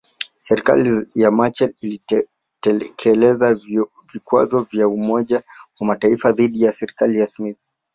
Serikali ya Machel ilitekeleza vikwazo vya Umoja wa Mataifa dhidi ya serikali ya Smith